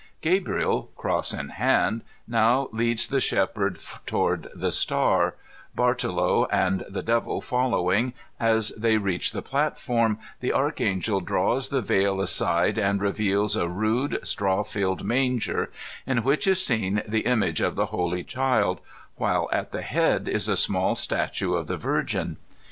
275 €^ CaCifomta ^abves Gabriel, cross in hand, now leads the shepherd toward the star, Bartolo and the Devil following, and as they reach the platform, the Archangel draws the veil aside and reveals a rude, straw filled manger, in which is seen the image of the Holy Child, while at the head is a small statue of the Virgin.